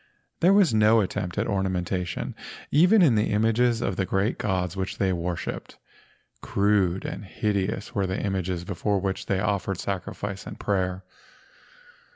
There was no attempt at ornamentation even in the images of the great gods which they worshipped. Crude and hide¬ ous were the images before which they offered sacrifice and prayer.